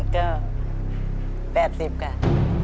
ก็๘๐ก่อน